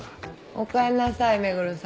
おかえりなさい目黒さん。